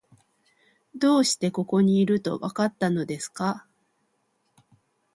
どうしてここにいると、わかったのですか？